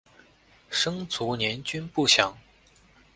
生卒年均不详。